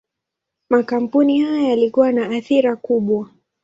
Makampuni haya yalikuwa na athira kubwa.